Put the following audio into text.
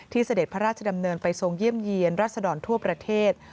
เสด็จพระราชดำเนินไปทรงเยี่ยมเยี่ยนรัศดรทั่วประเทศ